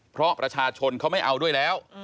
เพราะประชาชนเขาไม่เอาด้วยแล้ว